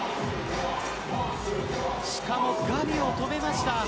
しかも、ガビを止めました。